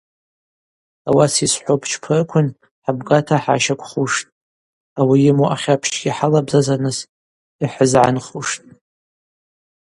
Ауаса йсхӏвауа бчпарыквын хӏабгата хӏгӏащаквхуштӏ, ауи йыму ахьапщгьи хӏалабзазарныс йхӏзыгӏанхуштӏ.